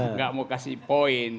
nggak mau kasih poin